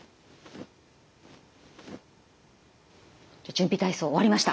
準備体操終わりました。